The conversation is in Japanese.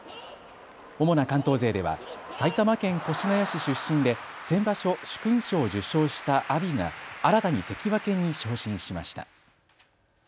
主な関東勢では埼玉県越谷市出身で先場所殊勲賞を受賞した阿炎が新たに関脇に昇進しました。